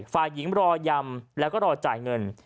ฝ่ายหญิงรอยำแล้วก็รอจ่ายเงิน